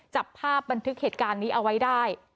จับภาพบันทึกเหตุการณ์นี้เอาไว้ได้